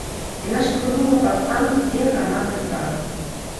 Яна шпурнула пад танк дзве гранаты зараз.